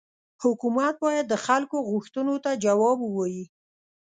حکومت باید د خلکو غوښتنو ته جواب ووايي.